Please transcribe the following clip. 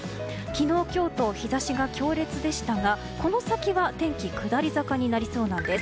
昨日、今日と日差しが強烈でしたがこの先は天気下り坂になりそうなんです。